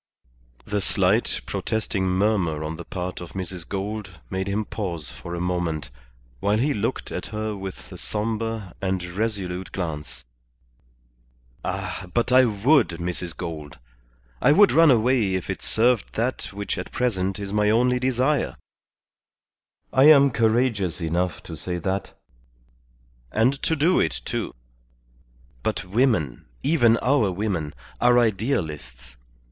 The slight, protesting murmur on the part of Mrs. Gould made him pause for a moment, while he looked at her with a sombre and resolute glance. "Ah, but I would, Mrs. Gould. I would run away if it served that which at present is my only desire. I am courageous enough to say that, and to do it, too. But women, even our women, are idealists.